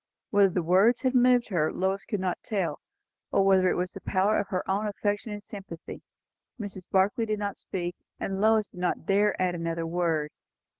Whether the words had moved her, Lois could not tell, or whether it was the power of her own affection and sympathy; Mrs. Barclay did not speak, and Lois did not dare add another word.